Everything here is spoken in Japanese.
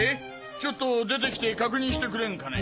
ちょっと出てきて確認してくれんかね？